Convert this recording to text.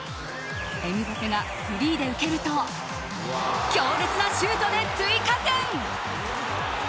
エムバペがフリーで受けると強烈なシュートで追加点！